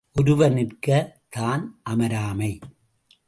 ஒருவர் நிற்க, தான் அமராமை.